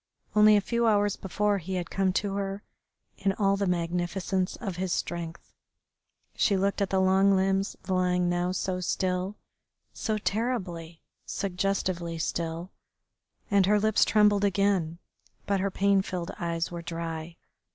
Only a few hours before he had come to her in all the magnificence of his strength. She looked at the long limbs lying now so still, so terribly, suggestively still, and her lips trembled again, but her pain filled eyes were dry.